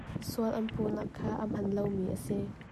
Sual an puhnak kha a hman lomi a si.